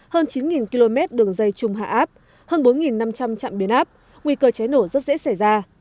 hơn chín km đường dây chung hạ áp hơn bốn năm trăm linh trạm biến áp nguy cơ cháy nổ rất dễ xảy ra